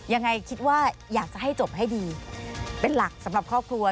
ยังไงคิดว่าอยากจะให้จบให้ดีเป็นหลักสำหรับครอบครัว